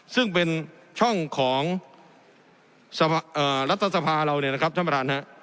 ซึ่งเป็นช่องของรัฐสภาเราเนี่ยนะครับท่านประธานฮะ